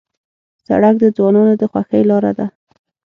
سړک د ځوانانو د خوښۍ لاره ده.